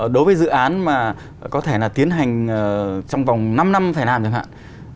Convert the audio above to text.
đối với dự án mà có thể là tiến hành trong vòng năm năm phải làm chẳng hạn